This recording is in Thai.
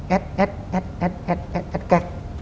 แอ๊ดแอ๊ดแอ๊ดแอ๊ดแอ๊ดแอ๊ดแอ๊ดแก๊ก